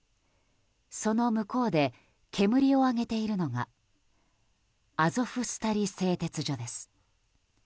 その向こうで煙を上げているのがアゾフスタリ製鉄所です。